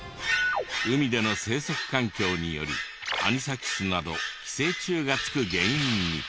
海での生息環境によりアニサキスなど寄生虫がつく原因に。